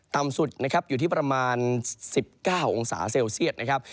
ต่ำสุดนะครับอยู่ที่ประมาณ๑๙องศาเซลเซียตนะครับ